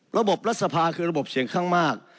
รัฐสภาคือระบบเสียงข้างมาก